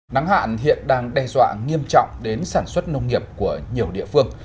nắng hạn hiện đang đe dọa nghiêm trọng đến sản xuất nông nghiệp của nhiều địa phương